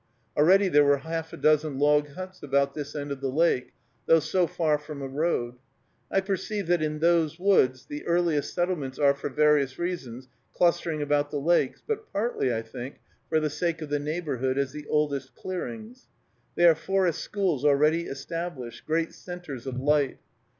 Already there were half a dozen log huts about this end of the lake, though so far from a road. I perceive that in these woods the earliest settlements are, for various reasons, clustering about the lakes, but partly, I think, for the sake of the neighborhood as the oldest clearings. They are forest schools already established, great centres of light.